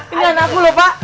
ini anak aku loh pak